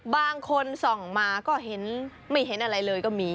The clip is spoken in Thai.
บางคนส่องมาก็เห็นไม่เห็นอะไรเลยก็มี